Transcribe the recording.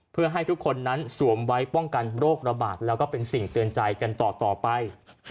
เพื่อให้ทุกคนนั้นสวมไว้ป้องกันโรคระบาดแล้วก็เป็นสิ่งเตือนใจกันต่อไป